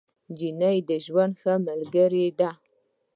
نجلۍ د ژوند ښه ملګرې ده.